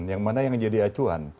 yang mana yang jadi acuan